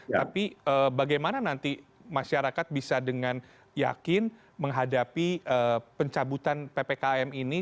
tapi bagaimana nanti masyarakat bisa dengan yakin menghadapi pencabutan ppkm ini